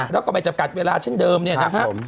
แล้วก็ไม่จำกัดเวลาเช่นเดิมเนี่ยนะฮะ